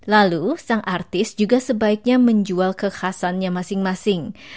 lalu sang artis juga sebaiknya menjual kekhasannya masing masing